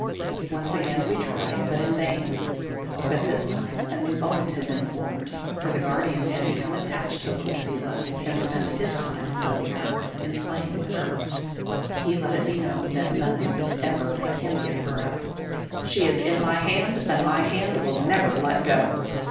Once again we tried, but in vain. By this time a new bond had been formed, for the guardian had become attached to little Seela, and spent his time, so we heard, in playing with her. He let it be known that nothing would ever make him give her up. "She is in my hand, and my hand will never let go."